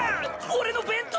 俺の弁当！